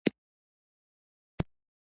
تاسو زما برېښنالیک ترلاسه کړی؟